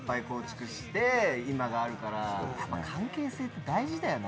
やっぱ関係性って大事だよな。